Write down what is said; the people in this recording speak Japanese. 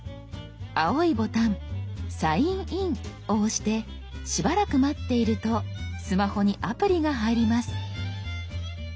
青いボタン「サインイン」を押してしばらく待っているとスマホにアプリが入ります。